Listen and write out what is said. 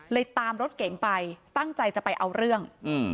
ตามรถเก๋งไปตั้งใจจะไปเอาเรื่อง